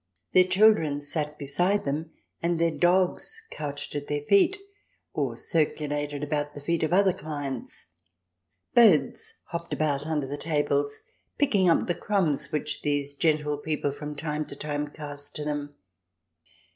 Their children sat beside them, and their dogs couched at their feet or circulated about the feet of other clients. Birds hopped about under the tables, picking up the crumbs which these gentle people from time to time cast to them.